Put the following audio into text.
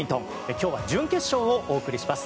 今日は準決勝をお送りします。